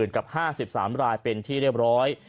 กับ๕๓รายเป็นที่เรียบร้อย